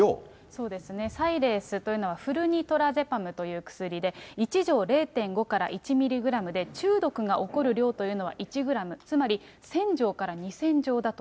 そうですね、サイレースというのはフルニトラゼパムという薬で、１錠０．５から１ミリグラムで、中毒が起こる量というのは１グラム、つまり１０００錠から２０００錠だと。